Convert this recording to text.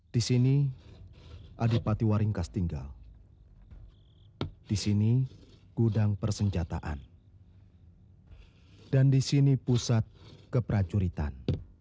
disini adipatiwaringkastinggal disini gudang persenjataan dan disini pusat keperacuritan